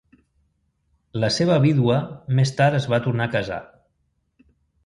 La seva vídua més tard es va tornar a casar.